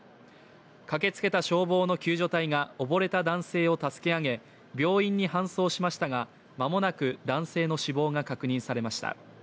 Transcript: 駆けつけた消防の救助隊が溺れた男性を助け上げ病院に搬送しましたが、間もなく男性の死亡が確認されました。